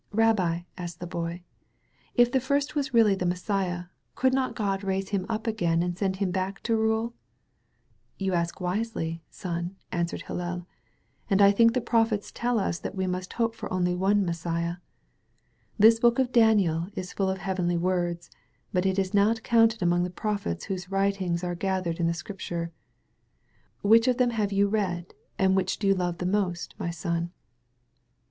"Rabbi," asked the Boy, "if the first was really the Messiah, could not God raise him up again and send him back to rule? "You ask wisely, son,'* answered Hillel, "and I think the prophets tell us that we must hope for only one Messiah. This book of Daniel is full of heavenly words, but it is not counted among the prophets whose writings are gathered in the Scrip ture. Which of them have you read, and which do you love most, my son?'